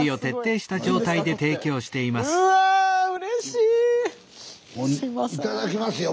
いただきますよ。